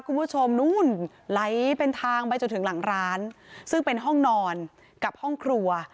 คุณผู้ชมนู่นไหลเป็นทางไปจนถึงหลังร้านซึ่งเป็นห้องนอนกับห้องครัว